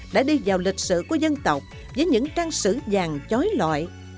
đã đi vào lịch sử của dân tộc với những trang sử vàng chói loại